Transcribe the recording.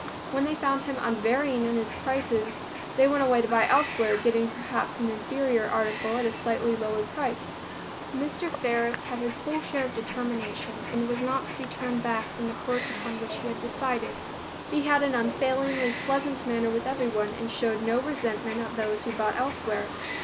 When they found him unvarying in his prices, they went away to buy elsewhere, getting, perhaps, an inferior article at a slightly lower price. Mr. Faris had his full share of determination and was not to be turned back from the course upon which he had decided. He had an unfailingly pleasant manner with everyone, and showed no resentment at those who bought elsewhere.